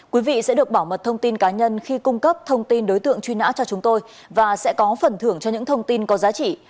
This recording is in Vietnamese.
quý vị sẽ được bảo mật thông tin cá nhân khi cung cấp thông tin đối tượng truy nã cho chúng tôi và sẽ có phần thưởng cho những thông tin có giá trị